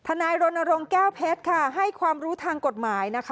นายรณรงค์แก้วเพชรค่ะให้ความรู้ทางกฎหมายนะคะ